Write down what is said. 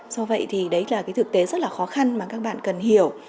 do vậy thì đấy là cái thực tế rất là khó khăn mà các bạn cần hiểu